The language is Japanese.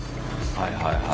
はいはいはい。